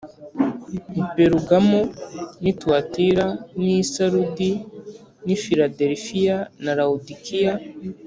i Perugamo n’i Tuwatira n’i Sarudi, n’i Filadelifiya n’i Lawodikiya.”